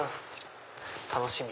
楽しみ！